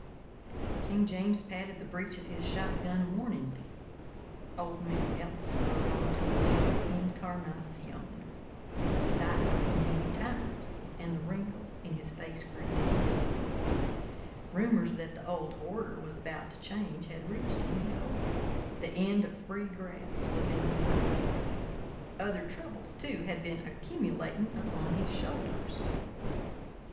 King James patted the breech of his shot gun warningly. Old man Ellison rode on to the camp of Incarnación. He sighed many times, and the wrinkles in his face grew deeper. Rumours that the old order was about to change had reached him before. The end of Free Grass was in sight. Other troubles, too, had been accumulating upon his shoulders.